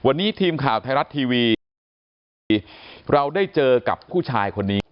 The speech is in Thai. วันนี้ทีมข่าวไทยรัฐทีวีเราได้เจอกับผู้ชายคนนี้